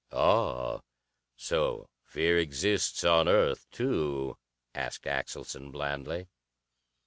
"Ah, so fear exists on Earth, too?" asked Axelson blandly.